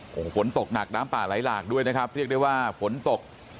โอ้โหฝนตกหนักน้ำป่าไหลหลากด้วยนะครับเรียกได้ว่าฝนตก